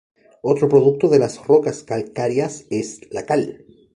Otro producto de las rocas calcáreas es la cal.